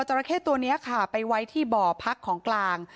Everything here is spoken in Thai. ราเข้ตัวนี้ค่ะไปไว้ที่บ่อพักของกลาง